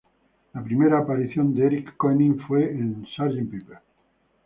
La primera aparición de Eric Koenig fue en "Sgt.